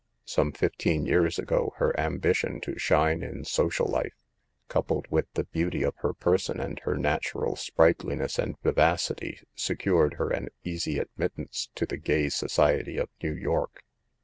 Some fifteen years ago her ambition to shine in socia] life, coupled with the beauty of her person and her natural sprightliness and vivacity, secured her an easy admittance into the gay society of New York.